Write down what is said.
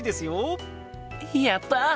やった！